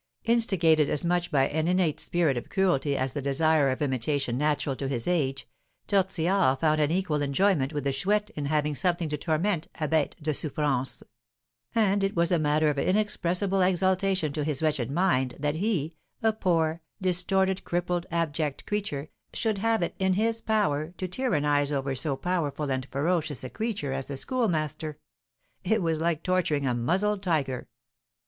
Instigated as much by an innate spirit of cruelty as the desire of imitation natural to his age, Tortillard found an equal enjoyment with the Chouette in having something to torment (a bête de souffrance); and it was a matter of inexpressible exultation to his wretched mind that he, a poor, distorted, crippled, abject creature, should have it in his power to tyrannise over so powerful and ferocious a creature as the Schoolmaster, it was like torturing a muzzled tiger.